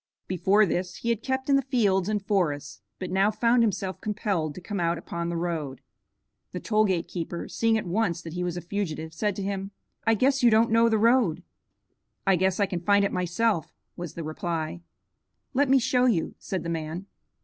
Before this he had kept in the fields and forests, but now found himself compelled to come out upon the road. The toll gate keeper, seeing at once that he was a fugitive, said to him, "I guess you don't know the road." "I guess I can find it myself," was the reply. "Let me show you," said the man.